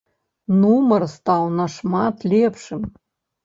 Нумар стаў нашмат лепшым.